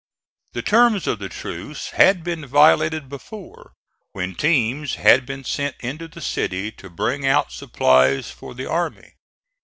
The terms of the truce had been violated before, when teams had been sent into the city to bring out supplies for the army.